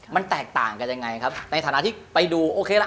มันแตกต่างกันยังไงครับในฐานะที่ไปดูโอเคละ